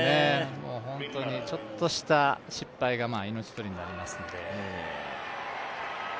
本当にちょっとした失敗が命取りになりますので。